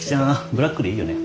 ブラックでいいよね。